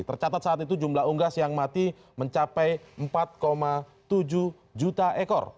tercatat saat itu jumlah unggas yang mati mencapai empat tujuh juta ekor